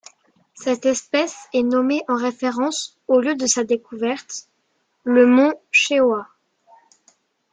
Cette espèce est nommée en référence au lieu de sa découverte, les monts Cheoah.